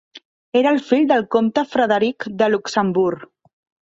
Era el fill del comte Frederic de Luxemburg.